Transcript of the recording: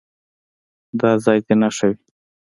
دا ځای دې نښه وي.